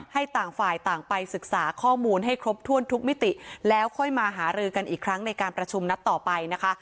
ต่างฝ่ายต่างไปศึกษาข้อมูลให้ครบถ้วนทุกมิติแล้วค่อยมาหารือกันอีกครั้งในการประชุมนัดต่อไปนะคะ